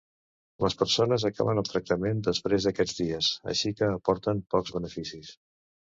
Les persones acaben el tractament després d’aquests dies, així que aporten pocs beneficis.